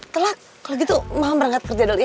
telak kalau gitu mama berangkat kerja dulu ya